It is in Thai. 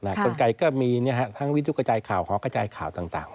กลไกก็มีทั้งวิทยุกระจายข่าวหอกระจายข่าวต่าง